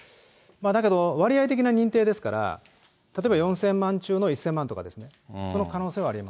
だけど、割合的な認定ですから、例えば４０００万中の１０００万とかですね、その可能性はありえ